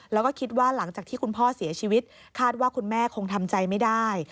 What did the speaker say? แล้วก็คิดว่าหลังจากที่คุณพ่อเสียชีวิตคาดว่าคุณแม่คงทำใจไม่ได้